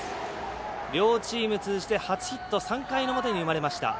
両チーム通じて初ヒット３回表に生まれました。